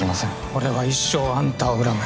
俺は一生あんたを恨む。